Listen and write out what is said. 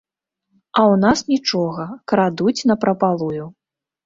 А ў нас нічога, крадуць напрапалую.